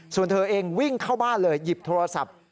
ส่วนเธอเองวิ่งเข้าบ้านเลยหยิบโทรศัพท์